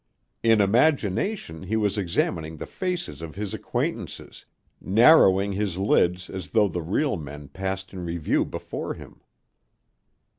In imagination he was examining the faces of his acquaintances, narrowing his lids as though the real men passed in review before him.